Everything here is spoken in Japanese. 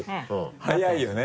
早いよね。